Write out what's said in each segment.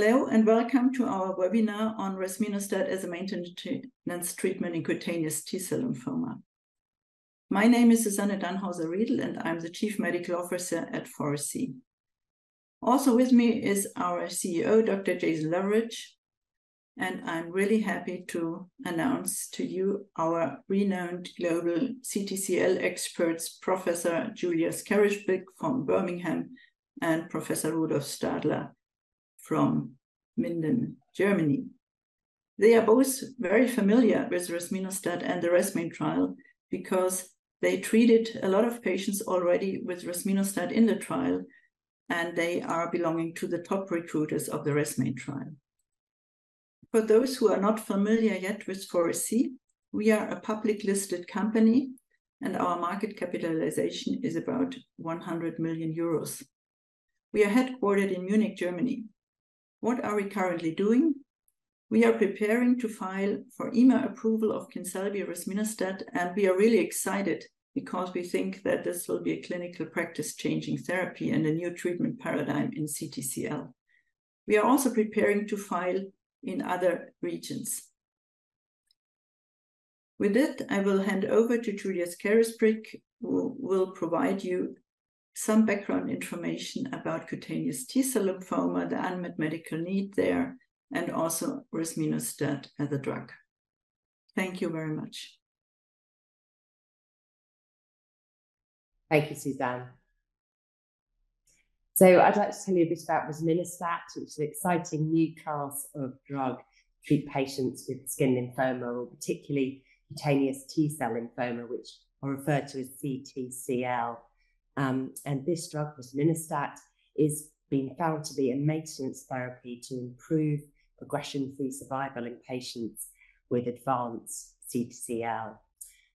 Hello, and welcome to our webinar on resminostat as a maintenance treatment in cutaneous T-cell lymphoma. My name is Susanne Danhauser-Riedl, and I'm the Chief Medical Officer at 4SC. Also with me is our CEO, Dr. Jason Loveridge, and I'm really happy to announce to you our renowned global CTCL experts, Professor Julia Scarisbrick from Birmingham, and Professor Rudolf Stadler from Minden, Germany. They are both very familiar with resminostat and the RESMAIN trial, because they treated a lot of patients already with resminostat in the trial, and they are belonging to the top recruiters of the RESMAIN trial. For those who are not familiar yet with 4SC, we are a public listed company, and our market capitalization is about 100 million euros. We are headquartered in Munich, Germany. What are we currently doing? We are preparing to file for EMA approval of Kinselby resminostat, and we are really excited because we think that this will be a clinical practice-changing therapy and a new treatment paradigm in CTCL. We are also preparing to file in other regions. With that, I will hand over to Julia Scarisbrick, who will provide you some background information about cutaneous T-cell lymphoma, the unmet medical need there, and also resminostat as a drug. Thank you very much. Thank you, Susanne. So I'd like to tell you a bit about resminostat, which is an exciting new class of drug to treat patients with skin lymphoma or particularly cutaneous T-cell lymphoma, which are referred to as CTCL. And this drug, resminostat, is being found to be a maintenance therapy to improve progression-free survival in patients with advanced CTCL.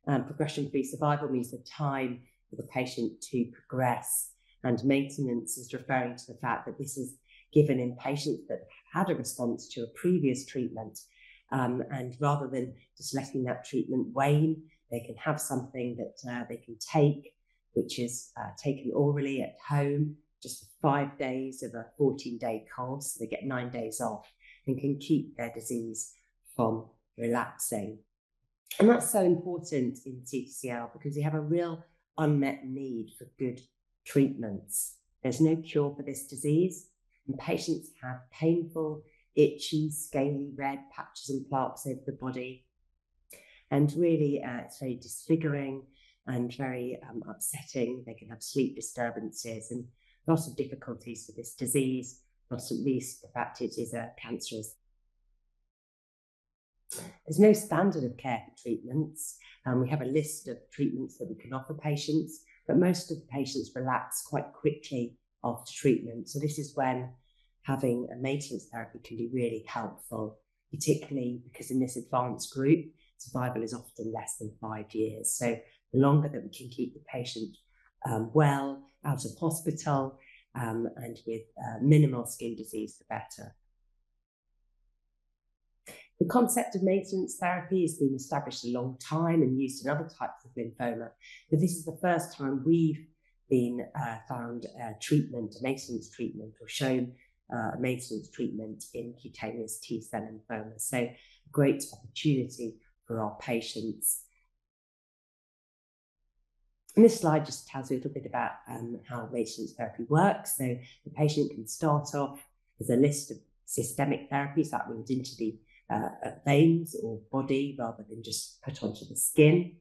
Progression-free survival means the time for the patient to progress, and maintenance is referring to the fact that this is given in patients that had a response to a previous treatment. And rather than just letting that treatment wane, they can have something that they can take, which is taken orally at home, just five days of a 14 day course, so they get nine days off and can keep their disease from relapsing. That's so important in CTCL because we have a real unmet need for good treatments. There's no cure for this disease, and patients have painful, itchy, scaly, red patches and plaques over the body, and really, it's very disfiguring and very upsetting. They can have sleep disturbances and lots of difficulties with this disease, not least the fact it is cancerous. There's no standard of care for treatments. We have a list of treatments that we can offer patients, but most of the patients relapse quite quickly after treatment. This is when having a maintenance therapy can be really helpful, particularly because in this advanced group, survival is often less than five years. The longer that we can keep the patient well, out of hospital, and with minimal skin disease, the better. The concept of maintenance therapy has been established a long time and used in other types of lymphoma, but this is the first time we've been found a treatment, a maintenance treatment, or shown maintenance treatment in cutaneous T-cell lymphomas. A great opportunity for our patients. This slide just tells you a little bit about how maintenance therapy works. The patient can start off with a list of systemic therapies that will go into the veins or body, rather than just put onto the skin.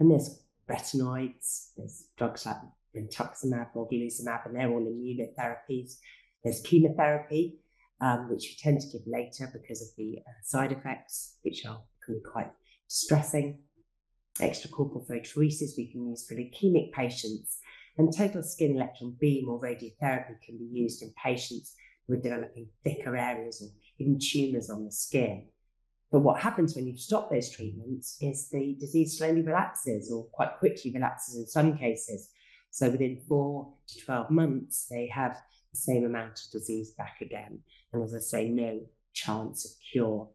There's retinoids, there's drugs like brentuximab or golimumab, and they're all immunotherapies. There's chemotherapy, which you tend to give later because of the side effects, which are quite stressing. Extracorporeal photopheresis we can use for leukemic patients, and total skin electron beam or radiotherapy can be used in patients who are developing thicker areas or even tumors on the skin. But what happens when you stop those treatments is the disease slowly relapses or quite quickly relapses in some cases. So within four months to 12 months, they have the same amount of disease back again, and as I say, no chance of cure.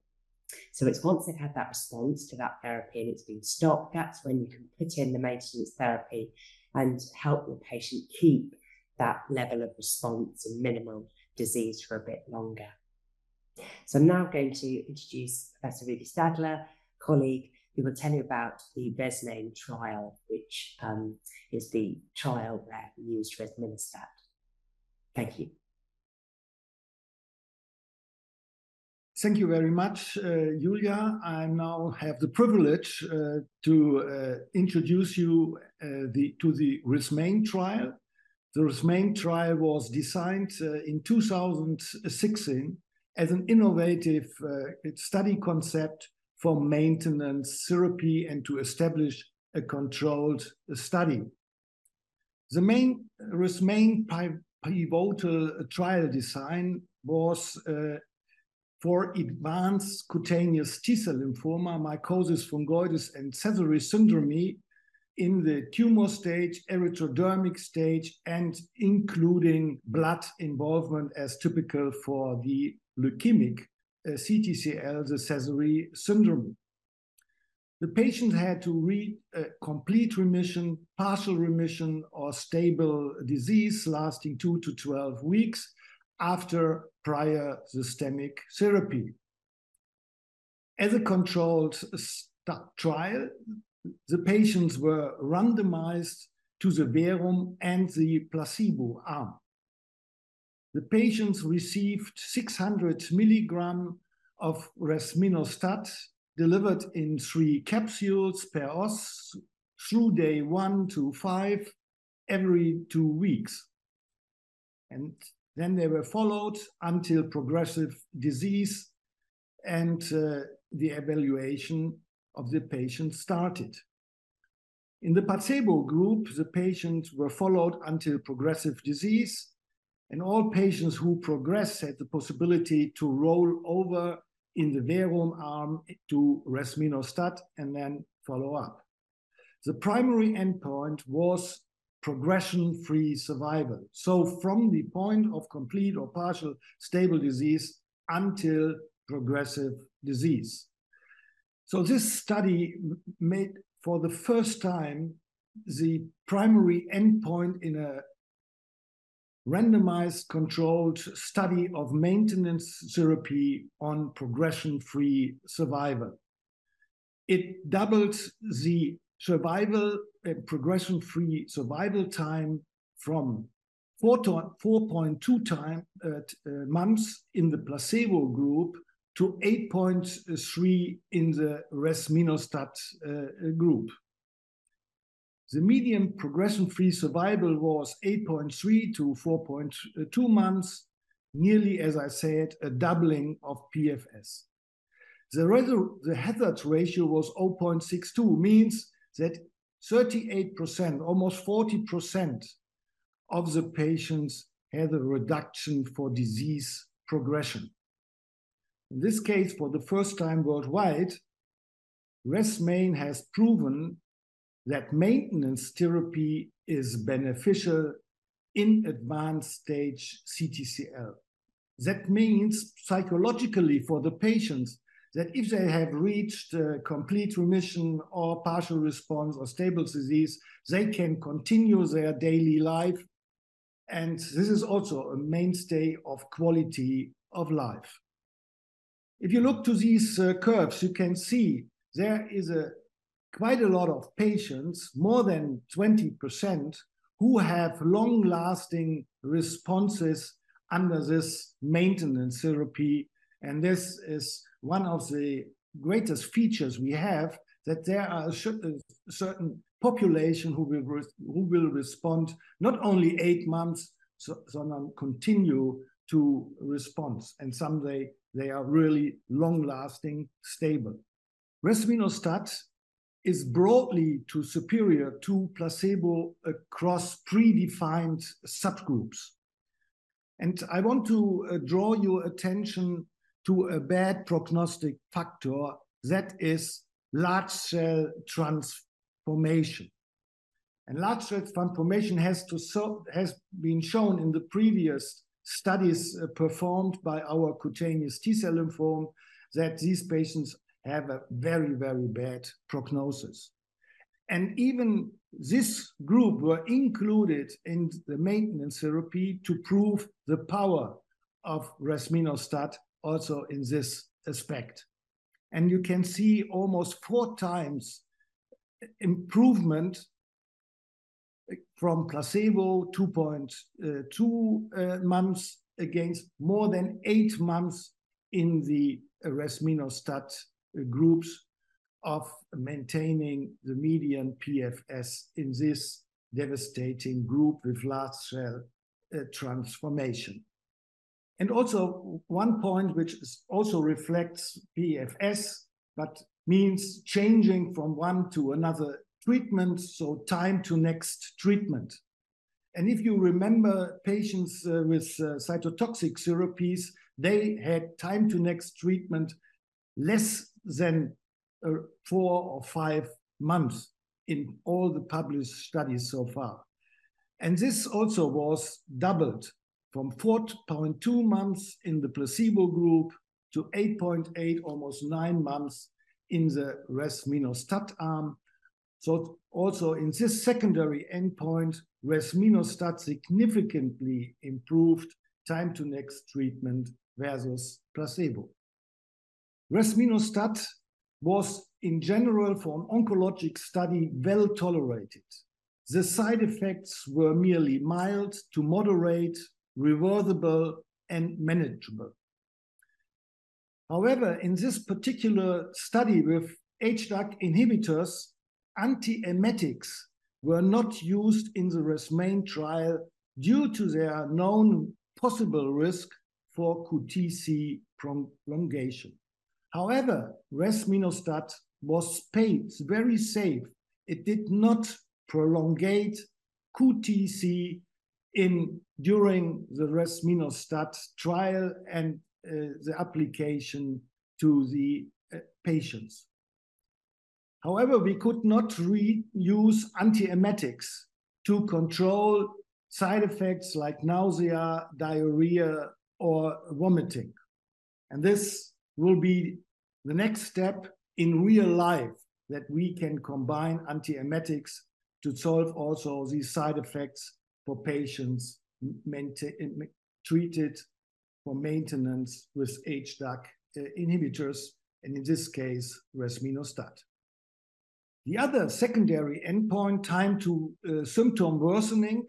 So it's once they've had that response to that therapy and it's been stopped, that's when you can put in the maintenance therapy and help the patient keep that level of response and minimal disease for a bit longer. So I'm now going to introduce Professor Rudy Stadler, colleague, who will tell you about the RESMAIN trial, which is the trial that used resminostat. Thank you. Thank you very much, Julia. I now have the privilege to introduce you to the RESMAIN trial. The RESMAIN trial was designed in 2016 as an innovative study concept for maintenance therapy and to establish a controlled study. The main RESMAIN pivotal trial design was for advanced cutaneous T-cell lymphoma, mycosis fungoides, and Sézary syndrome in the tumor stage, erythrodermic stage, and including blood involvement, as typical for the leukemic CTCL, the Sézary syndrome. The patient had to complete remission, partial remission, or stable disease lasting two weeks to 12 weeks after prior systemic therapy. As a controlled trial, the patients were randomized to the verum and the placebo arm. The patients received 600 mg of resminostat delivered in three capsules per os through day one to day five, every two weeks. And then they were followed until progressive disease, and the evaluation of the patient started. In the placebo group, the patients were followed until progressive disease, and all patients who progressed had the possibility to roll over in the verum arm to resminostat, and then follow up. The primary endpoint was progression-free survival, so from the point of complete or partial stable disease until progressive disease. This study made, for the first time, the primary endpoint in a randomized controlled study of maintenance therapy on progression-free survival. It doubled the survival and progression-free survival time from 4.2 months in the placebo group to 8.3 months in the resminostat group. The median progression-free survival was 8.3 to 4.2 months, nearly, as I said, a doubling of PFS. The ratio, the hazard ratio was 0.62, means that 38%, almost 40% of the patients had a reduction for disease progression. In this case, for the first time worldwide, RESMAIN has proven that maintenance therapy is beneficial in advanced stage CTCL. That means psychologically for the patients, that if they have reached, complete remission, or partial response, or stable disease, they can continue their daily life, and this is also a mainstay of quality of life. If you look to these, curves, you can see there is quite a lot of patients, more than 20%, who have long-lasting responses under this maintenance therapy. This is one of the greatest features we have, that there are certain population who will respond not only eight months, so now continue to response, and some, they are really long-lasting, stable. Resminostat is broadly superior to placebo across predefined subgroups. I want to draw your attention to a bad prognostic factor that is large cell transformation. And large cell transformation has been shown in the previous studies, performed by our cutaneous T-cell lymphoma, that these patients have a very, very bad prognosis. And even this group were included in the maintenance therapy to prove the power of resminostat also in this aspect. And you can see almost four times improvement from placebo, 2.2 months, against more than eight months in the resminostat groups of maintaining the median PFS in this devastating group with large cell transformation. And also, one point, which is also reflects PFS, but means changing from one to another treatment, so time to next treatment. And if you remember, patients with cytotoxic therapies, they had time to next treatment less than four or five months in all the published studies so far. This also was doubled from 4.2 months in the placebo group to 8.8 months, almost nine months, in the resminostat arm. Also in this secondary endpoint, resminostat significantly improved time to next treatment versus placebo. Resminostat was, in general, for an oncologic study, well tolerated. The side effects were merely mild to moderate, reversible and manageable. However, in this particular study with HDAC inhibitors, antiemetics were not used in the resminostat trial due to their known possible risk for QTc prolongation. However, resminostat was safe, very safe. It did not prolong QTc during the resminostat trial and the application to the patients. However, we could not reuse antiemetics to control side effects like nausea, diarrhea, or vomiting. This will be the next step in real life, that we can combine antiemetics to solve also these side effects for patients mainly treated for maintenance with HDAC inhibitors, and in this case, resminostat. The other secondary endpoint, time to symptom worsening,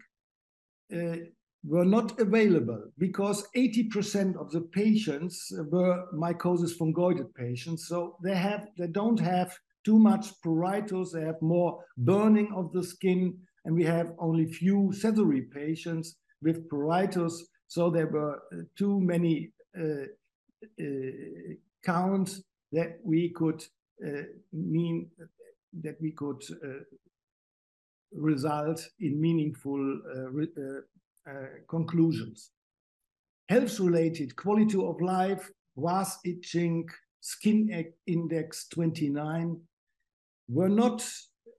were not available because 80% of the patients were mycosis fungoides patients, so they don't have too much pruritus, they have more burning of the skin, and we have only few Sézary patients with pruritus. So there were too many counts that we could mean that we could result in meaningful conclusions. Health-related quality of life was itching. Skindex-29 were not,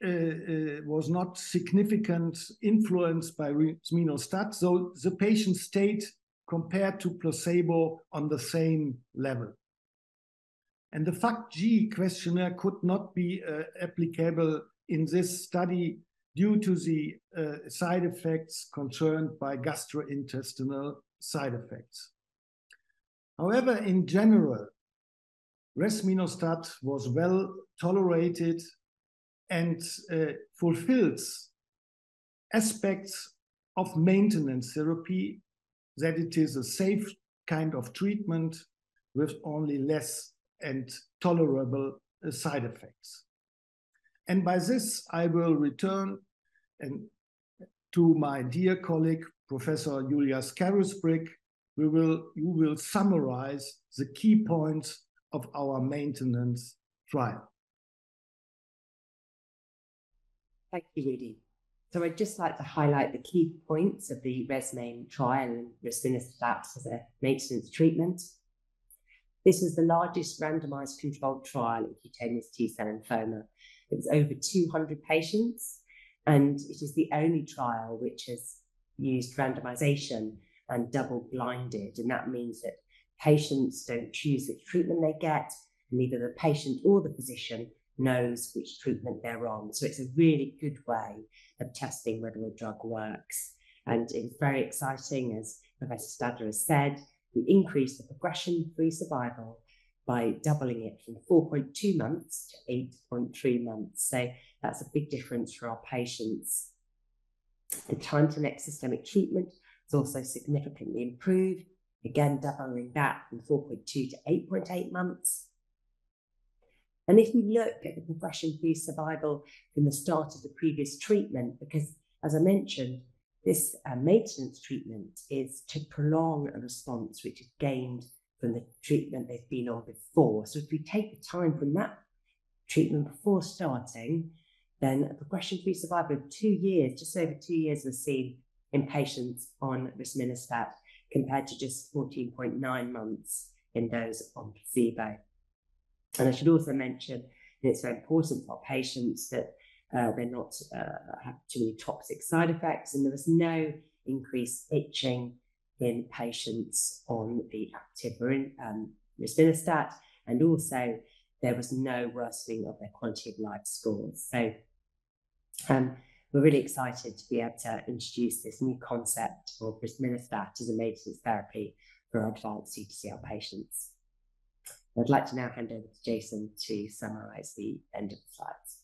was not significant influenced by resminostat, so the patient stayed compared to placebo on the same level. The FACT-G questionnaire could not be applicable in this study due to the side effects concerned by gastrointestinal side effects. However, in general, resminostat was well-tolerated and fulfills aspects of maintenance therapy, that it is a safe kind of treatment with only less and tolerable side effects. By this, I will return and to my dear colleague, Professor Julia Scarisbrick, who will summarize the key points of our maintenance trial. Thank you, Rudy. So I'd just like to highlight the key points of the RESMAIN trial and resminostat as a maintenance treatment. This is the largest randomized controlled trial in cutaneous T-cell lymphoma. It's over 200 patients, and it is the only trial which has used randomization and double-blinded, and that means that patients don't choose which treatment they get, and neither the patient or the physician knows which treatment they're on. So it's a really good way of testing whether a drug works, and it's very exciting, as Professor Stadler has said. We increased the progression-free survival by doubling it from 4.2 months to 8.3 months, so that's a big difference for our patients. The time to next systemic treatment is also significantly improved, again, doubling that from 4.2 months to 8.8 months. If we look at the progression-free survival from the start of the previous treatment, because, as I mentioned, this maintenance treatment is to prolong a response which is gained from the treatment they've been on before. If we take the time from that treatment before starting, then progression-free survival of two years, just over two years, we're seeing in patients on resminostat, compared to just 14.9 months in those on placebo. I should also mention, and it's very important for our patients, that they're not have too many toxic side effects, and there was no increased itching in patients on the active arm, resminostat, and also there was no worsening of their quality of life scores. We're really excited to be able to introduce this new concept for resminostat as a maintenance therapy for advanced CTCL patients. I'd like to now hand over to Jason to summarize the end of the slides.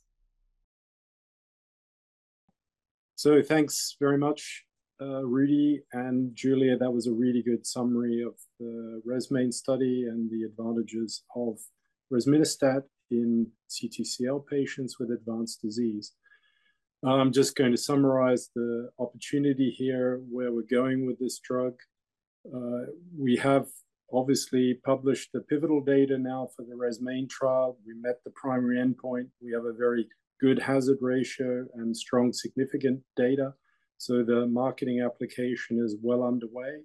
So thanks very much, Rudy and Julia. That was a really good summary of the RESMAIN study and the advantages of resminostat in CTCL patients with advanced disease. I'm just going to summarize the opportunity here, where we're going with this drug. We have obviously published the pivotal data now for the RESMAIN trial. We met the primary endpoint. We have a very good hazard ratio and strong, significant data, so the marketing application is well underway,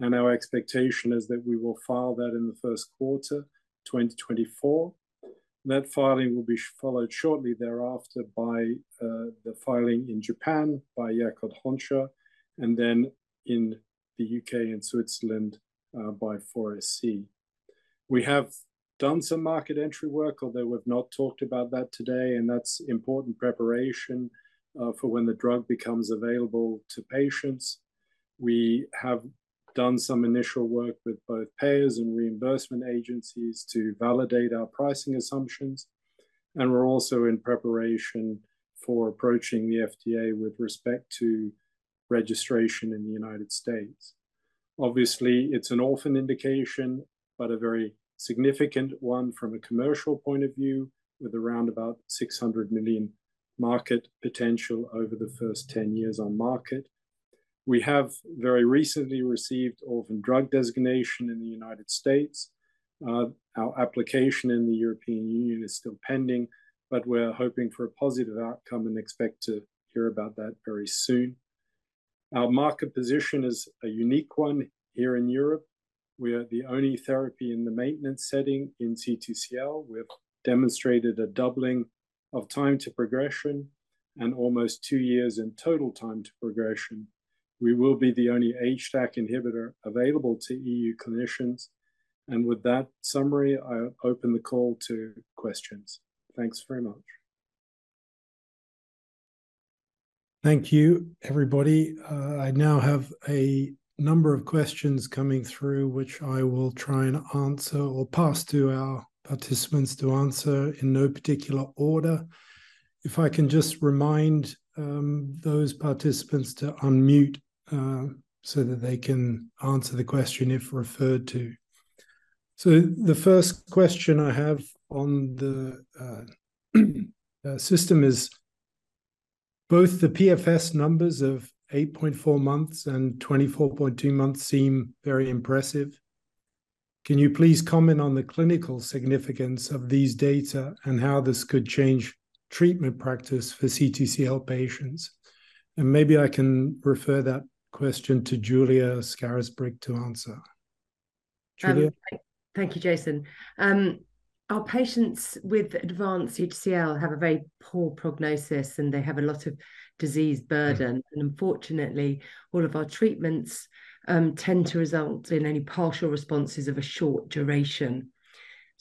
and our expectation is that we will file that in the first quarter, 2024. That filing will be followed shortly thereafter by the filing in Japan by Yakult Honsha, and then in the UK and Switzerland by 4SC. We have done some market entry work, although we've not talked about that today, and that's important preparation for when the drug becomes available to patients. We have done some initial work with both payers and reimbursement agencies to validate our pricing assumptions, and we're also in preparation for approaching the FDA with respect to registration in the United States. Obviously, it's an orphan indication, but a very significant one from a commercial point of view, with around about $600 million market potential over the first 10 years on market. We have very recently received orphan drug designation in the United States. Our application in the European Union is still pending, but we're hoping for a positive outcome and expect to hear about that very soon. Our market position is a unique one here in Europe. We are the only therapy in the maintenance setting in CTCL. We've demonstrated a doubling of time to progression, and almost two years in total time to progression. We will be the only HDAC inhibitor available to EU clinicians, and with that summary, I open the call to questions. Thanks very much. Thank you, everybody. I now have a number of questions coming through, which I will try and answer or pass to our participants to answer in no particular order. If I can just remind those participants to unmute so that they can answer the question if referred to. So the first question I have on the system is, "Both the PFS numbers of 8.4 months and 24.2 months seem very impressive. Can you please comment on the clinical significance of these data and how this could change treatment practice for CTCL patients?" And maybe I can refer that question to Julia Scarisbrick to answer. Julia? Thank you, Jason. Our patients with advanced CTCL have a very poor prognosis, and they have a lot of disease burden. Unfortunately, all of our treatments tend to result in only partial responses of a short duration.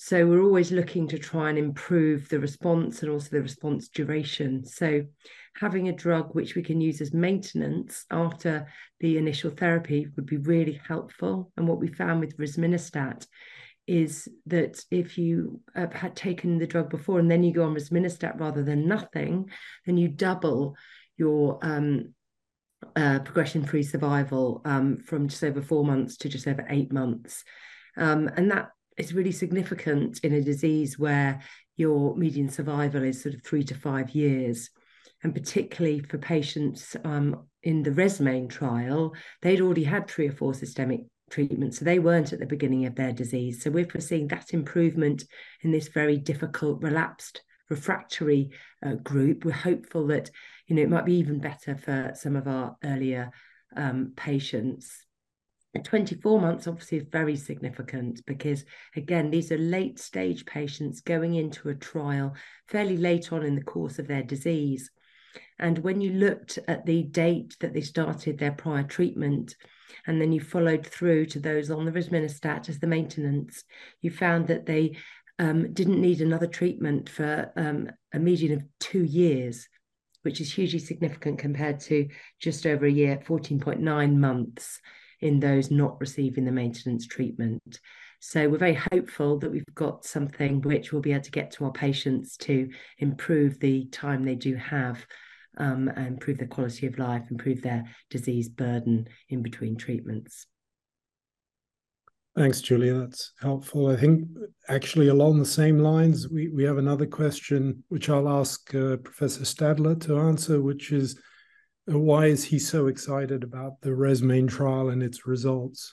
We're always looking to try and improve the response and also the response duration. Having a drug which we can use as maintenance after the initial therapy would be really helpful, and what we found with resminostat is that if you had taken the drug before, and then you go on resminostat rather than nothing, then you double your progression-free survival from just over four months to just over eight months. And that is really significant in a disease where your median survival is sort of three to five years, and particularly for patients in the RESMAIN trial, they'd already had three or four systemic treatments, so they weren't at the beginning of their disease. So we're seeing that improvement in this very difficult, relapsed, refractory group. We're hopeful that, you know, it might be even better for some of our earlier patients. At 24 months, obviously it's very significant because, again, these are late-stage patients going into a trial fairly late on in the course of their disease. When you looked at the date that they started their prior treatment, and then you followed through to those on the resminostat as the maintenance, you found that they didn't need another treatment for a median of two years, which is hugely significant compared to just over a year, 14.9 months, in those not receiving the maintenance treatment. We're very hopeful that we've got something which we'll be able to get to our patients to improve the time they do have, and improve their quality of life, improve their disease burden in between treatments. Thanks, Julia. That's helpful. I think actually along the same lines, we have another question, which I'll ask Professor Stadler to answer, which is, "Why is he so excited about the RESMAIN trial and its results?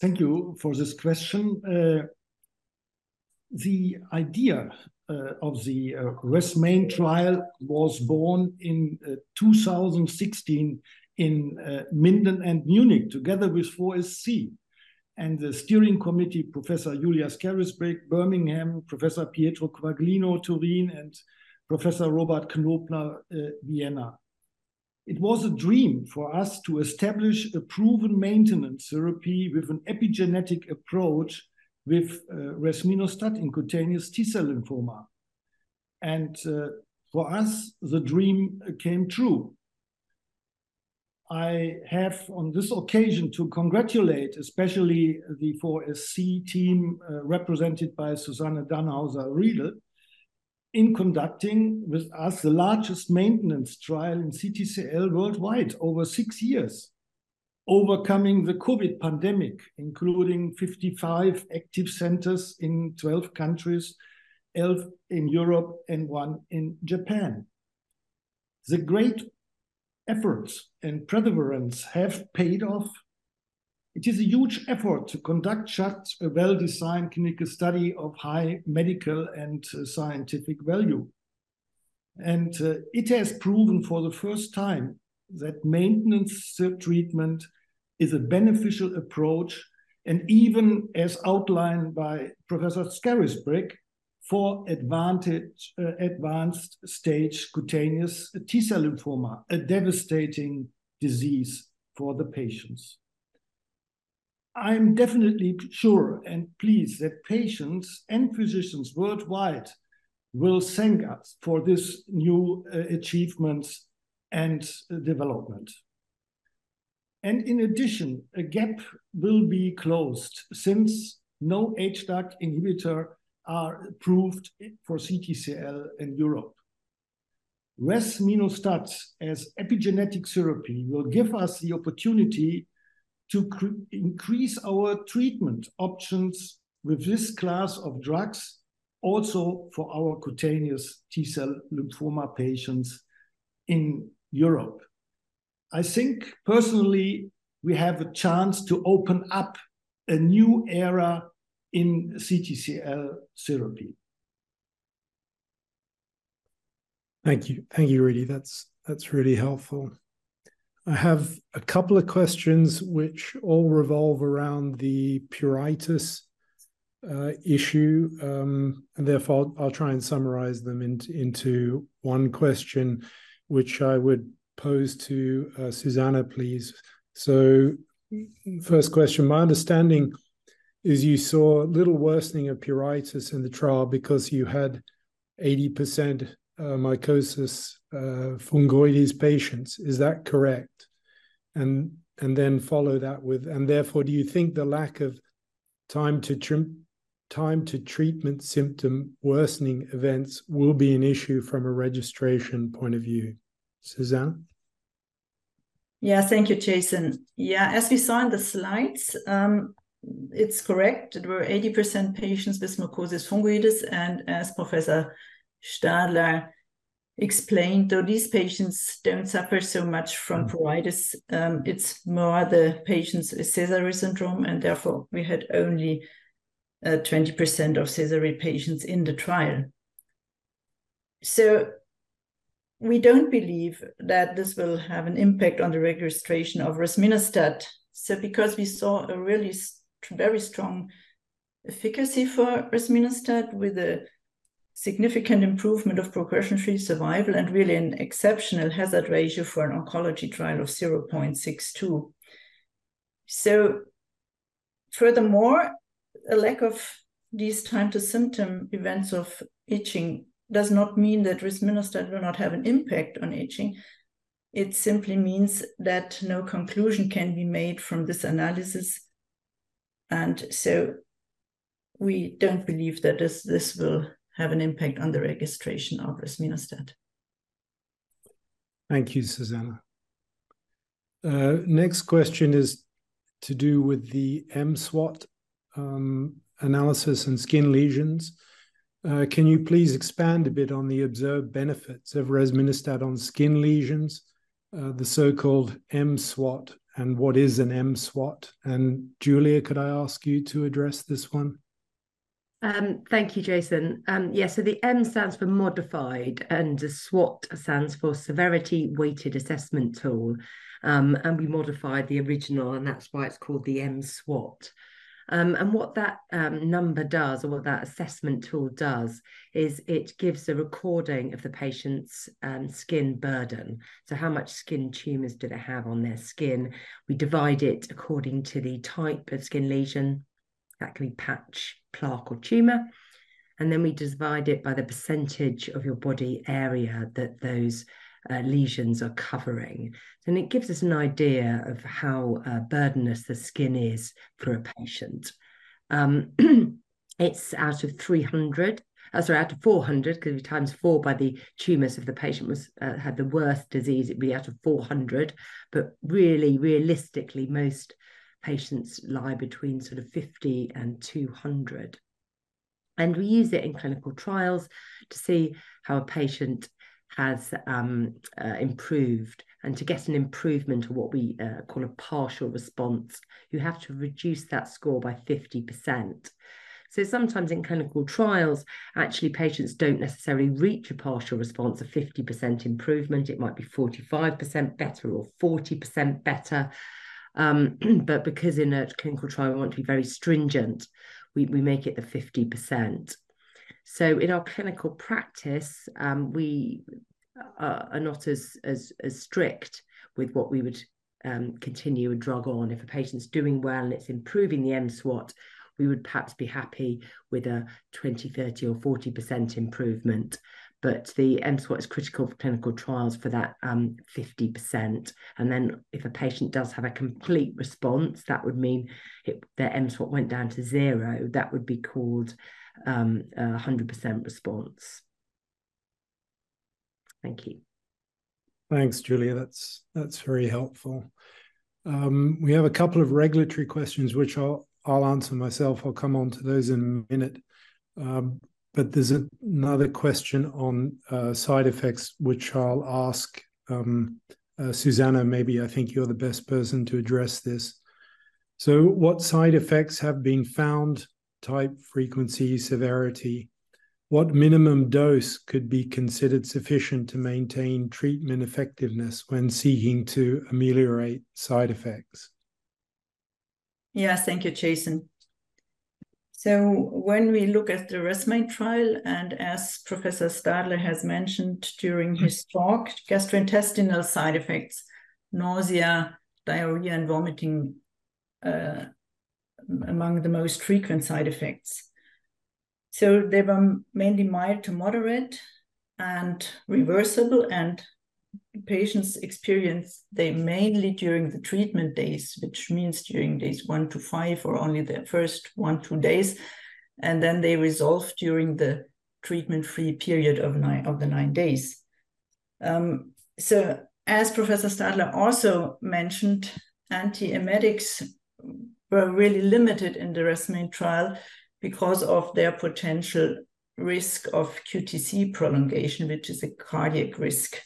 Thank you for this question. The idea of the RESMAIN trial was born in 2016 in Minden and Munich, together with 4SC. The steering committee, Professor Julia Scarisbrick, Birmingham, Professor Pietro Quaglino, Turin, and Professor Robert Knobler, Vienna. It was a dream for us to establish a proven maintenance therapy with an epigenetic approach with resminostat in cutaneous T-cell lymphoma, and for us, the dream came true. I have, on this occasion, to congratulate, especially the 4SC team, represented by Susanne Danhauser-Riedl, in conducting with us the largest maintenance trial in CTCL worldwide over six years, overcoming the COVID pandemic, including 55 active centers in 12 countries, 11 in Europe and one in Japan. The great efforts and perseverance have paid off. It is a huge effort to conduct such a well-designed clinical study of high medical and scientific value, and it has proven for the first time that maintenance treatment is a beneficial approach, and even as outlined by Professor Scarisbrick, for advanced stage cutaneous T-cell lymphoma, a devastating disease for the patients. I'm definitely sure and pleased that patients and physicians worldwide will thank us for this new achievement and development. In addition, a gap will be closed since no HDAC inhibitor are approved for CTCL in Europe. Resminostat as epigenetic therapy will give us the opportunity to increase our treatment options with this class of drugs, also for our cutaneous T-cell lymphoma patients in Europe. I think personally, we have a chance to open up a new era in CTCL therapy. Thank you. Thank you, Rudy. That's, that's really helpful. I have a couple of questions which all revolve around the pruritus issue, and therefore, I'll try and summarize them into one question, which I would pose to Susanna, please. So, first question: my understanding is you saw little worsening of pruritus in the trial because you had 80% mycosis fungoides patients. Is that correct? And, and then follow that with, and therefore, do you think the lack of time to treatment symptom worsening events will be an issue from a registration point of view? Susanna? Yeah. Thank you, Jason. Yeah, as we saw in the slides, it's correct. There were 80% patients with mycosis fungoides, and as Professor Stadler explained, though these patients don't suffer so much from pruritus, it's more the patients with Sézary syndrome, and therefore, we had only 20% of Sézary patients in the trial. So we don't believe that this will have an impact on the registration of resminostat. So because we saw a really very strong efficacy for resminostat, with a significant improvement of progression-free survival and really an exceptional hazard ratio for an oncology trial of 0.62. So furthermore, a lack of these time to symptom events of itching does not mean that resminostat will not have an impact on itching. It simply means that no conclusion can be made from this analysis, and so we don't believe that this will have an impact on the registration of resminostat. Thank you, Susanna. Next question is to do with the mSWAT analysis and skin lesions. Can you please expand a bit on the observed benefits of resminostat on skin lesions, the so-called mSWAT? And what is an mSWAT? And Julia, could I ask you to address this one? Thank you, Jason. Yeah, so the m stands for modified, and the SWAT stands for Severity Weighted Assessment Tool. And we modified the original, and that's why it's called the mSWAT. And what that number does or what that assessment tool does is it gives a recording of the patient's skin burden. So how much skin tumors do they have on their skin? We divide it according to the type of skin lesion. That can be patch, plaque or tumor. And then we divide it by the percentage of your body area that those lesions are covering. And it gives us an idea of how burdensome the skin is for a patient. It's out of 300, oh, sorry, out of 400, because we times four by the tumors, if the patient had the worst disease, it'd be out of 400. But really, realistically, most patients lie between sort of 50 and 200. And we use it in clinical trials to see how a patient has improved. And to get an improvement or what we call a partial response, you have to reduce that score by 50%. So sometimes in clinical trials, actually, patients don't necessarily reach a partial response of 50% improvement. It might be 45% better or 40% better. But because in a clinical trial, we want to be very stringent, we make it the 50%. So in our clinical practice, we are not as strict with what we would continue a drug on. If a patient's doing well, it's improving the mSWAT, we would perhaps be happy with a 20%, 30% or 40% improvement. But the mSWAT is critical for clinical trials for that 50%, and then if a patient does have a complete response, that would mean their mSWAT went down to zero, that would be called a 100% response. Thank you. Thanks, Julia. That's, that's very helpful. We have a couple of regulatory questions, which I'll, I'll answer myself. I'll come on to those in a minute. But there's another question on side effects, which I'll ask Susanne, maybe I think you're the best person to address this. So what side effects have been found, type, frequency, severity? What minimum dose could be considered sufficient to maintain treatment effectiveness when seeking to ameliorate side effects? Yes. Thank you, Jason. So when we look at the RESMAIN trial, and as Professor Stadler has mentioned during his talk, gastrointestinal side effects, nausea, diarrhea, and vomiting, among the most frequent side effects. So they were mainly mild to moderate and reversible, and patients experience they mainly during the treatment days, which means during days one to day five or only the first one, two days, and then they resolve during the treatment-free period of the nine days. So as Professor Stadler also mentioned, antiemetics were really limited in the RESMAIN trial because of their potential risk of QTc prolongation, which is a cardiac risk.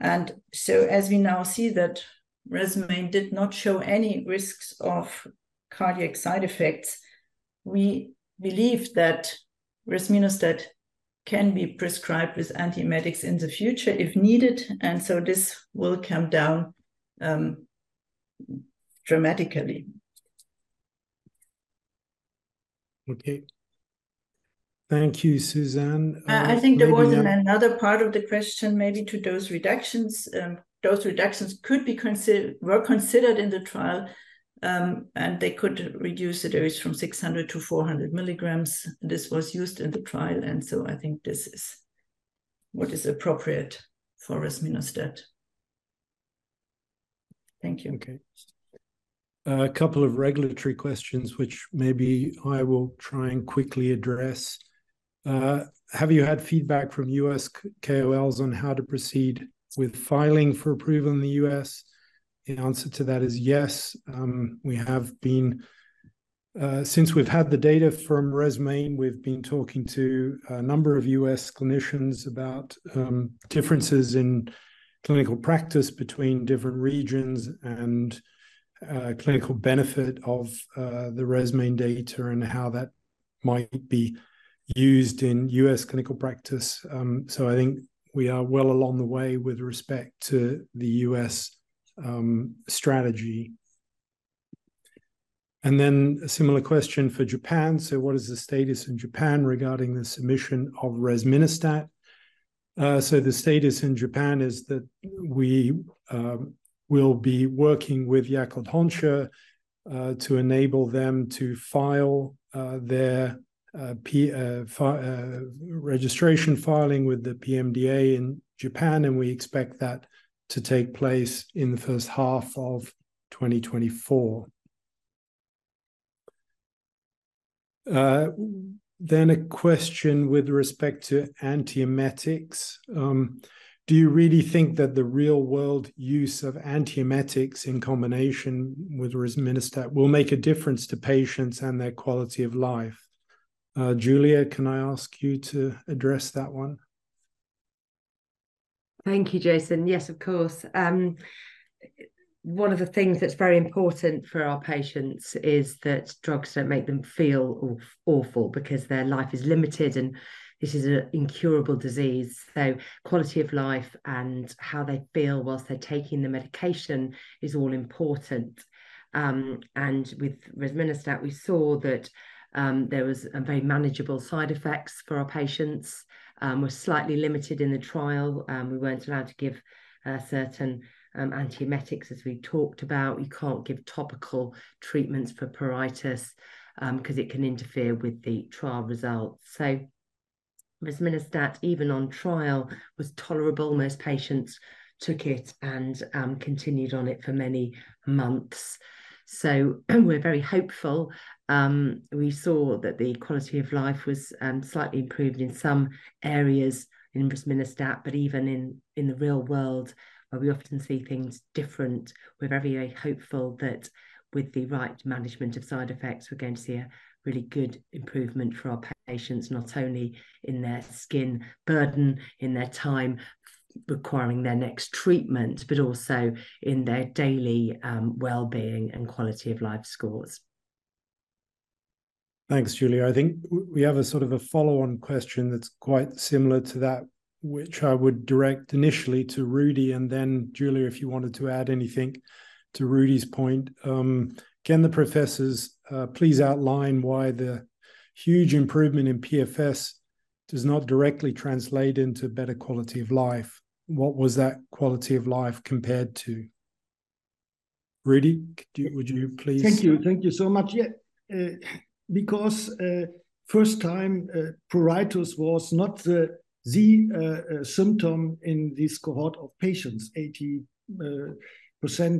And so as we now see, that RESMAIN did not show any risks of cardiac side effects, we believe that resminostat can be prescribed with antiemetics in the future if needed, and so this will come down dramatically. Okay. Thank you, Susanne, maybe there- I think there was another part of the question, maybe to dose reductions. Dose reductions were considered in the trial, and they could reduce the dose from 600mg to 400 mg. This was used in the trial, and so I think this is what is appropriate for resminostat. Thank you. Okay. A couple of regulatory questions, which maybe I will try and quickly address. Have you had feedback from US KOLs on how to proceed with filing for approval in the US? The answer to that is yes. We have been, Since we've had the data from RESMAIN, we've been talking to a number of US clinicians about, differences in clinical practice between different regions, and, clinical benefit of, the RESMAIN data and how that might be used in US clinical practice. So I think we are well along the way with respect to the US, strategy. A similar question for Japan, "What is the status in Japan regarding the submission of resminostat?" The status in Japan is that we will be working with Yakult Honsha to enable them to file their registration filing with the PMDA in Japan, and we expect that to take place in the first half of 2024. A question with respect to antiemetics: Do you really think that the real-world use of antiemetics in combination with resminostat will make a difference to patients and their quality of life? Julia, can I ask you to address that one? Thank you, Jason. Yes, of course. One of the things that's very important for our patients is that drugs don't make them feel awful because their life is limited, and this is an incurable disease. So quality of life and how they feel whilst they're taking the medication is all important. And with resminostat, we saw that there was a very manageable side effects for our patients. We're slightly limited in the trial, we weren't allowed to give certain antiemetics, as we talked about. We can't give topical treatments for pruritus, 'cause it can interfere with the trial results. So resminostat, even on trial, was tolerable. Most patients took it and continued on it for many months. So we're very hopeful. We saw that the quality of life was slightly improved in some areas in resminostat, but even in the real world, where we often see things different, we're very hopeful that with the right management of side effects, we're going to see a really good improvement for our patients, not only in their skin burden, in their time requiring their next treatment, but also in their daily well-being and quality-of-life scores. Thanks, Julia. I think we have a sort of a follow-on question that's quite similar to that, which I would direct initially to Rudi, and then Julia, if you wanted to add anything to Rudi's point. Can the professors please outline why the huge improvement in PFS does not directly translate into better quality of life? What was that quality of life compared to? Rudi, would you please. Thank you. Thank you so much. Yeah, because first time pruritus was not the symptom in this cohort of patients. 80%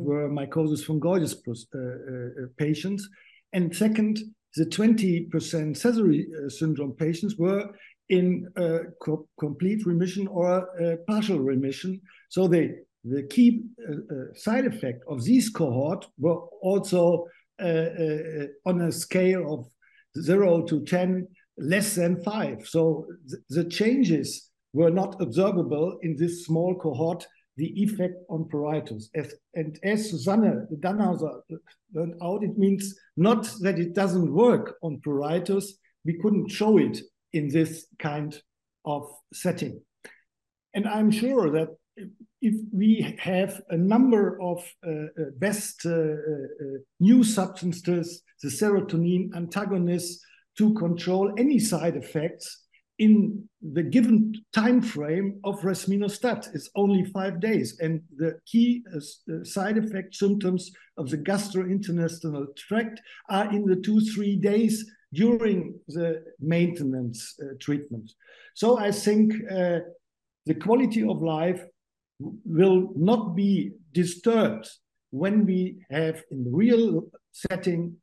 were mycosis fungoides patients, and second, the 20% Sézary syndrome patients were in complete remission or partial remission. So the key side effect of this cohort were also on a scale of zero to 10, less than five. So the changes were not observable in this small cohort, the effect on pruritus. And as Susanne Danhauser-Riedl pointed out, it means not that it doesn't work on pruritus, we couldn't show it in this kind of setting. And I'm sure that if we have a number of best new substances, the serotonin antagonist, to control any side effects in the given timeframe of resminostat, it's only five days. And the key side effect symptoms of the gastrointestinal tract are in the two days, three days during the maintenance treatment. So I think the quality of life will not be disturbed when we have, in real setting,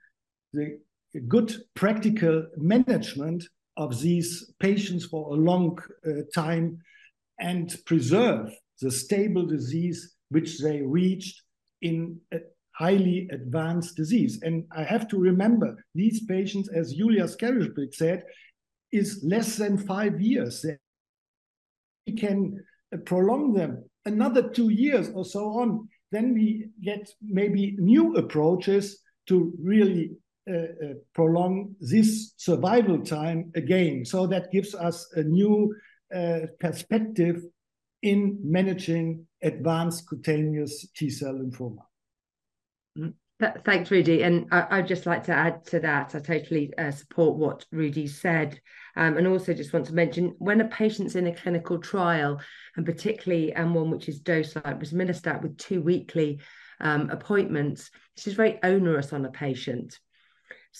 the good practical management of these patients for a long time and preserve the stable disease which they reached in a highly advanced disease. And I have to remember, these patients, as Julia Scarisbrick said, is less than five years their- we can prolong them another two years or so on, then we get maybe new approaches to really prolong this survival time again. So that gives us a new perspective in managing advanced cutaneous T-cell lymphoma. Mm. Thanks, Rudi, and I, I'd just like to add to that. I totally, you know, support what Rudi said. I also just want to mention, when a patient's in a clinical trial, and particularly, one which is dosed like resminostat with two weekly appointments, this is very onerous on a patient.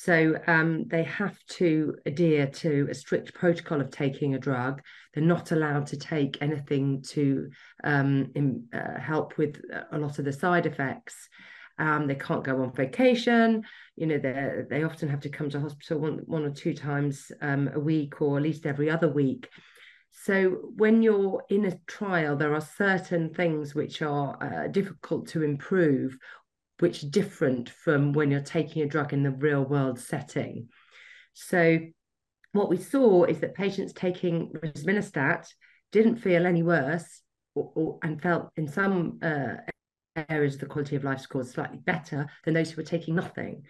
They have to adhere to a strict protocol of taking a drug. They're not allowed to take anything to, you know, help with a lot of the side effects. They can't go on vacation. You know, they often have to come to hospital one, one or two times a week, or at least every other week. When you're in a trial, there are certain things which are difficult to improve, which are different from when you're taking a drug in the real-world setting. So what we saw is that patients taking resminostat didn't feel any worse and felt in some areas, the quality-of-life score was slightly better than those who were taking nothing.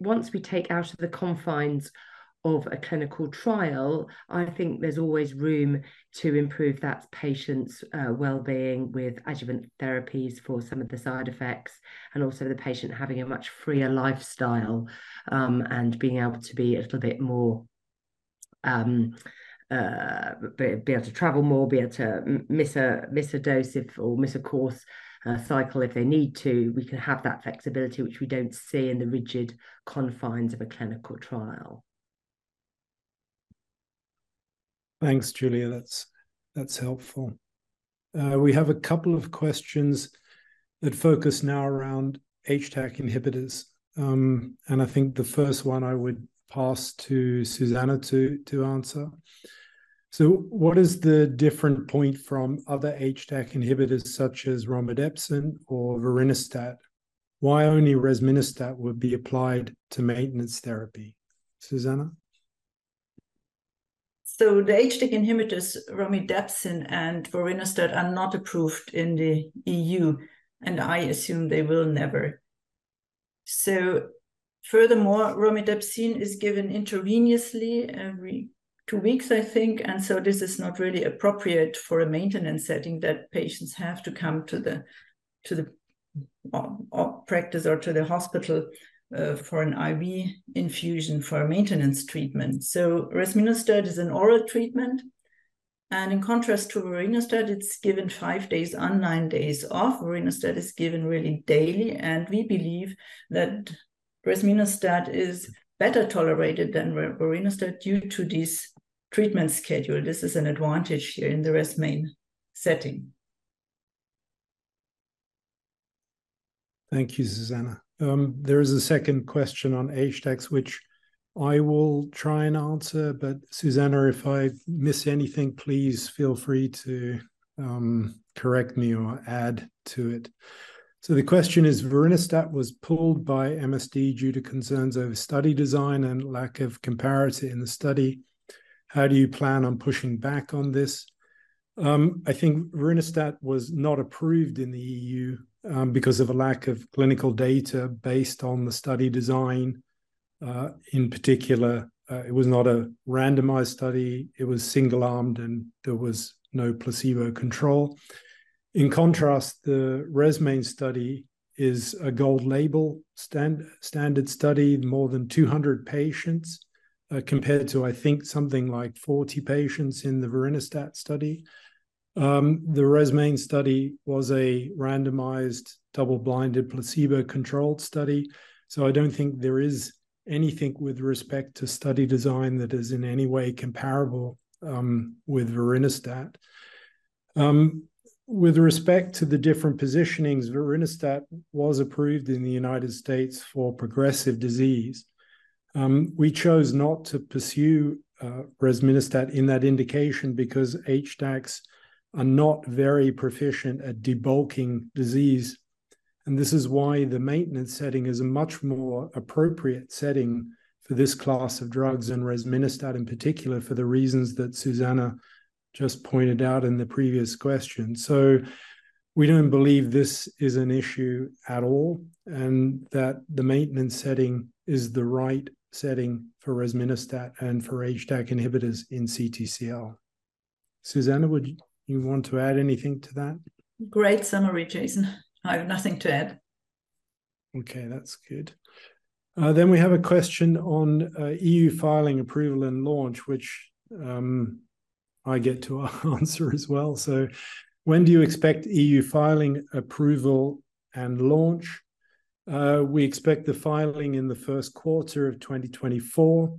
Once we take out of the confines of a clinical trial, I think there's always room to improve that patient's well-being with adjuvant therapies for some of the side effects, and also the patient having a much freer lifestyle, and being able to be a little bit more able to travel more, be able to miss a dose if, or miss a course, cycle if they need to. We can have that flexibility, which we don't see in the rigid confines of a clinical trial. Thanks, Julia. That's helpful. We have a couple of questions that focus now around HDAC inhibitors. And I think the first one I would pass to Susanne to answer. So what is the different point from other HDAC inhibitors, such as romidepsin or vorinostat? Why only resminostat would be applied to maintenance therapy? Susanne? So the HDAC inhibitors, romidepsin and vorinostat, are not approved in the EU, and I assume they will never. So furthermore, romidepsin is given intravenously every two weeks, I think, and so this is not really appropriate for a maintenance setting, that patients have to come to the hospital or practice or to the hospital for an IV infusion for a maintenance treatment. So resminostat is an oral treatment, and in contrast to vorinostat, it's given five days on, nine days off. Vorinostat is given really daily, and we believe that resminostat is better tolerated than vorinostat due to this treatment schedule. This is an advantage here in the RESMAIN setting. Thank you, Susanna. There is a second question on HDACs, which I will try and answer, but Susanna, if I miss anything, please feel free to correct me or add to it. The question is: vorinostat was pulled by MSD due to concerns over study design and lack of comparity in the study. How do you plan on pushing back on this? I think vorinostat was not approved in the EU because of a lack of clinical data based on the study design. In particular, it was not a randomized study, it was single-armed, and there was no placebo control. In contrast, the RESMAIN study is a gold-label standard study, more than 200 patients, compared to, I think, something like 40 patients in the vorinostat study. The RESMAIN study was a randomized, double-blinded, placebo-controlled study, so I don't think there is anything with respect to study design that is in any way comparable with vorinostat. With respect to the different positionings, vorinostat was approved in the United States for progressive disease. We chose not to pursue resminostat in that indication because HDACs are not very proficient at debulking disease, and this is why the maintenance setting is a much more appropriate setting for this class of drugs, and resminostat in particular, for the reasons that Susanne just pointed out in the previous question. We don't believe this is an issue at all, and that the maintenance setting is the right setting for resminostat and for HDAC inhibitors in CTCL. Susanne, would you want to add anything to that? Great summary, Jason. I have nothing to add. Okay, that's good. Then we have a question on EU filing, approval, and launch, which I get to answer as well. So when do you expect EU filing, approval, and launch? We expect the filing in the first quarter of 2024.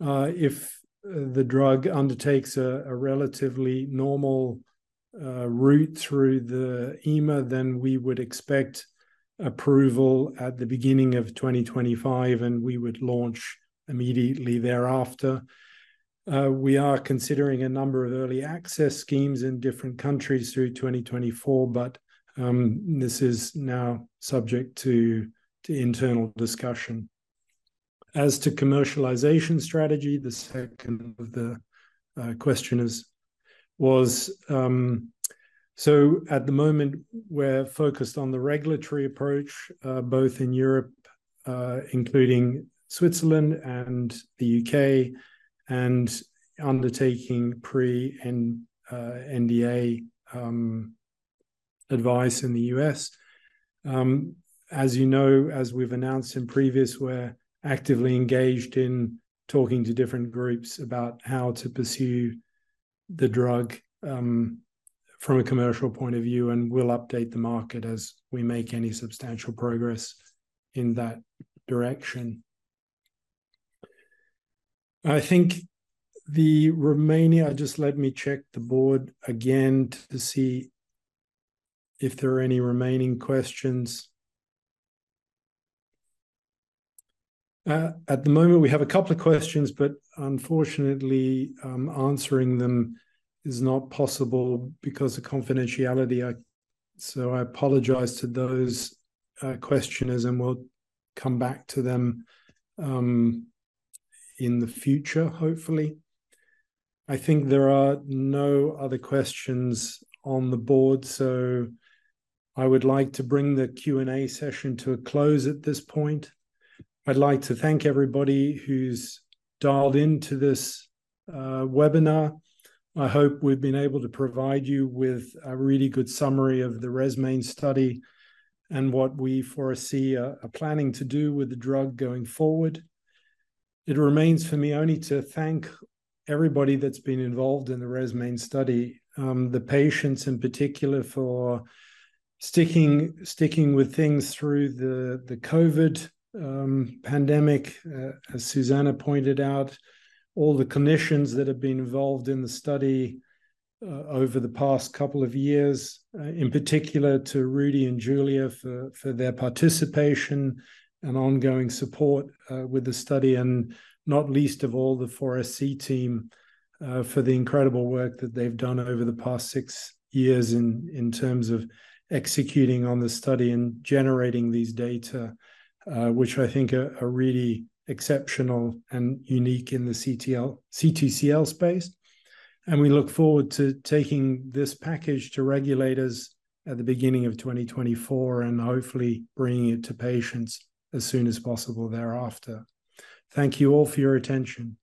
If the drug undertakes a relatively normal route through the EMA, then we would expect approval at the beginning of 2025, and we would launch immediately thereafter. We are considering a number of early access schemes in different countries through 2024, but this is now subject to internal discussion. As to commercialization strategy, the second of the question is, so at the moment, we're focused on the regulatory approach both in Europe, including Switzerland and the UK, and undertaking pre and NDA advice in the US. As you know, as we've announced in previous, we're actively engaged in talking to different groups about how to pursue the drug, from a commercial point of view, and we'll update the market as we make any substantial progress in that direction. I think the remaining just let me check the board again to see if there are any remaining questions. At the moment, we have a couple of questions, but unfortunately, answering them is not possible because of confidentiality. So I apologize to those, questioners, and we'll come back to them, in the future, hopefully. I think there are no other questions on the board, so I would like to bring the Q&A session to a close at this point. I'd like to thank everybody who's dialed into this, webinar. I hope we've been able to provide you with a really good summary of the RESMAIN study and what we foresee are planning to do with the drug going forward. It remains for me only to thank everybody that's been involved in the RESMAIN study, the patients in particular, for sticking, sticking with things through the COVID pandemic, as Susanne pointed out, all the clinicians that have been involved in the study over the past couple of years, in particular to Rudy and Julia for their participation and ongoing support with the study, and not least of all, the 4SC team for the incredible work that they've done over the past six years in terms of executing on the study and generating these data, which I think are really exceptional and unique in the CTCL space. We look forward to taking this package to regulators at the beginning of 2024, and hopefully bringing it to patients as soon as possible thereafter. Thank you all for your attention.